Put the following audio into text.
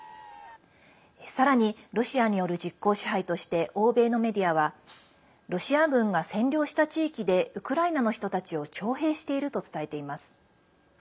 さらに、ロシアによる実効支配として欧米のメディアはロシア軍が占領した地域でウクライナの人たちを徴兵していると伝えています。